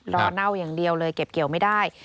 เน่าอย่างเดียวเลยเก็บเกี่ยวไม่ได้